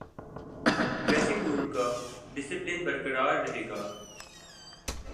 dressing room کا discipline برقرار رہے گا